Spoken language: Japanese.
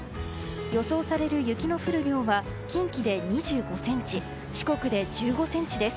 予想される雪の降る量は近畿で２５ｃｍ四国で１５ｃｍです。